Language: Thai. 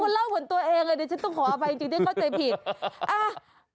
คุณเล่าขนตัวเองเลยเดี๋ยวฉันต้องขออภัยจริงเดี๋ยวก็เจอผิด